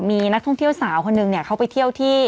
มีนักท่องเที่ยวสาวคนหนึ่งเขาไปเที่ยวที่